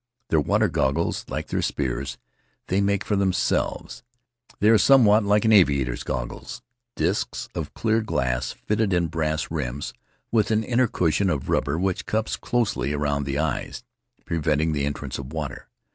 Their water goggles, like their spears, they make for them selves. They are somewhat like an aviator's goggles, disks of clear glass fitted in brass rims, with an inner cushion of rubber which cups closely around the eyes, preventing the entrance of water.